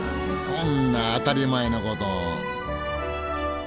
そんな当たり前のこと。